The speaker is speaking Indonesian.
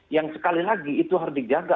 yang sekali lagi itu harus dijaga